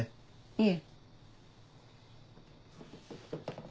いえ。